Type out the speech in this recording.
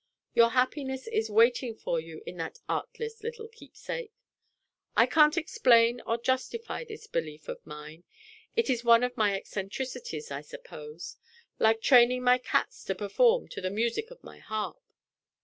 Your happiness is waiting for you in that artless little keepsake! I can't explain or justify this belief of mine. It is one of my eccentricities, I suppose like training my cats to perform to the music of my harp.